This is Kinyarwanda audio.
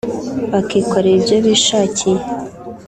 bakikorera ibyo bishakiye